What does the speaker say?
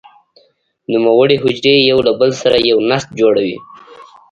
نوموړې حجرې یو له بل سره یو نسج جوړوي.